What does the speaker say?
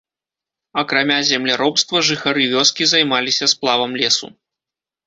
Акрамя земляробства жыхары вёскі займаліся сплавам лесу.